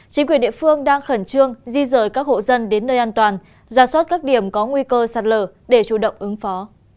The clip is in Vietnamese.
chính quyền địa phương đang khẩn trương di rời các hộ dân đến nơi an toàn giả soát các điểm có nguy cơ sạt lở để chủ động ứng phó